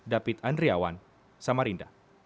david andriawan samarinda